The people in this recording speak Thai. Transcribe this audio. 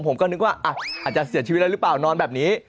ผมก็นึกว่าอาจจะเสียชีวิตแล้วหรือเปล่านอนแบบนี้